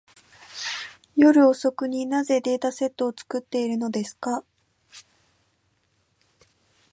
夜遅くに、なぜデータセットを作っているのですか。